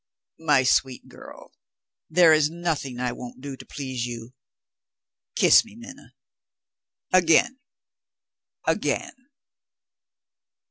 "My sweet girl, there is nothing I won't do to please you! Kiss me, Minna. Again! again!"